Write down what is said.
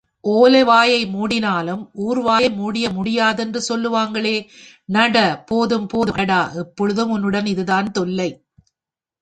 ஒலைவாயை மூடினாலும் ஊருவாயெ மூட முடியாதுன்னு சொல்லுவாங்களே...... நட போதும் போதும் அடாடா எப்பொழுதும் உன்னுடன் இதுதான் தொல்லை.